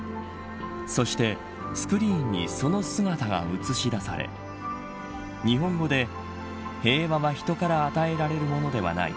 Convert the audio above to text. そしてスクリーンにその姿が映し出され日本語で、平和は人から与えられるものではない。